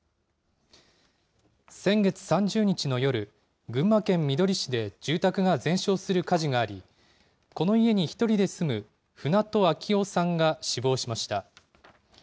先月３０日の夜、群馬県みどり市で住宅が全焼する火事があり、この家に１人で住む船戸秋雄さんが死亡しました。